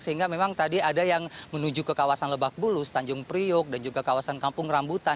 sehingga memang tadi ada yang menuju ke kawasan lebak bulus tanjung priok dan juga kawasan kampung rambutan